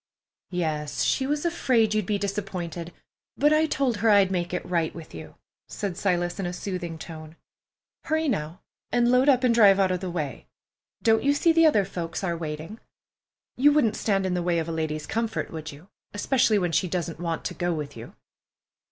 "Yes, she was afraid you'd be disappointed, but I told her I'd make it right with you," said Silas, in a soothing tone. "Hurry, now, and load up and drive out of the way. Don't you see the other folks are waiting? You wouldn't stand in the way of a lady's comfort, would you, especially when she doesn't want to go with you?"